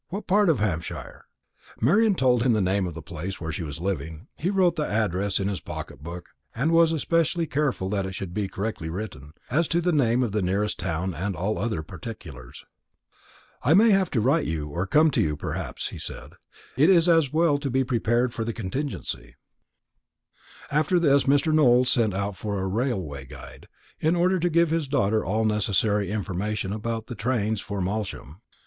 To what part of Hampshire?" Marian told him the name of the place where she was living. He wrote the address in his pocket book, and was especially careful that it should be correctly written, as to the name of the nearest town, and in all other particulars. "I may have to write to you, or to come to you, perhaps," he said. "It's as well to be prepared for the contingency." After this Mr. Nowell sent out for a "Railway Guide," in order to give his daughter all necessary information about the trains for Malsham.